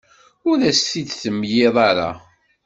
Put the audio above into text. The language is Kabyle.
Ur as-t-id-temliḍ ara.